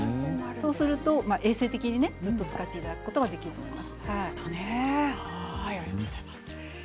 そうすると衛生的にずっと使っていただけると思います。